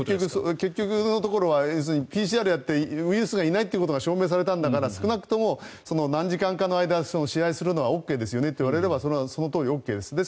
結局のところは要するにＰＣＲやってウイルスがいないということが証明されたんだから少なくとも何時間かの間試合するのはＯＫですよねと言われればそれはそのとおりＯＫです。